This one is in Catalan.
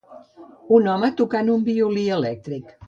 un home tocant un violí elèctric.